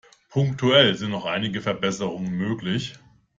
Punktuell sind noch einige Verbesserungen möglich.